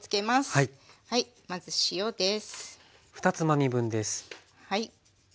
まず塩です。